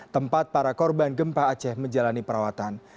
tempat para korban gempa aceh menjalani perawatan